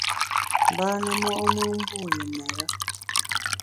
Mbâne mo’mùn mbu yi mêre.